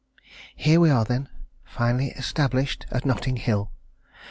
Here we are, then, finally established at Notting Hill.